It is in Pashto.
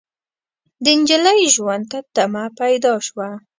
د نجلۍ ژوند ته تمه پيدا شوه.